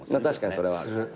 確かにそれはある。